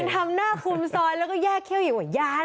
ทำหน้าคุมซอยแล้วก็แยกเขี้ยวอยู่กับยาย